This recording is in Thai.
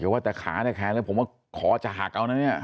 ว่าแต่ขาแต่แขนแล้วผมว่าคอจะหักเอานะเนี่ย